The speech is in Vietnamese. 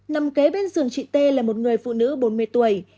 nằm kế bên giường chị t là một người phụ nữ bốn mươi tuổi